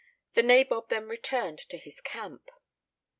The nabob then returned to his camp.